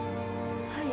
はい。